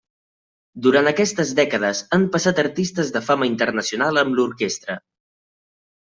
Durant aquestes dècades han passat artistes de fama internacional amb l'orquestra.